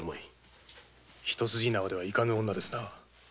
一筋縄では行かぬ女ですな。